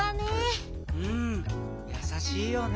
うんやさしいよね。